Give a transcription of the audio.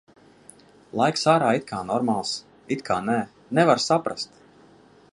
Laiks ārā it kā normāls, it kā nē – nevar saprast.